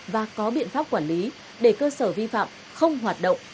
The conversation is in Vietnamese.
và có biện pháp quản lý để cơ sở vi phạm không hoạt động